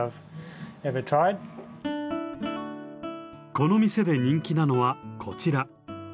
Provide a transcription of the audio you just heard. この店で人気なのはこちら。